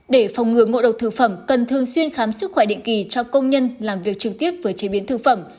để phòng ngừa ngộ độc thực phẩm cần thường xuyên khám sức khỏe định kỳ cho công nhân làm việc trực tiếp với chế biến thực phẩm